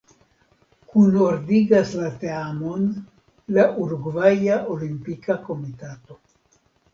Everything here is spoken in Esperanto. Kunordigas la teamon la Urugvaja Olimpika Komitato.